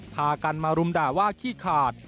พากันมารุมด่าว่าขี้ขาด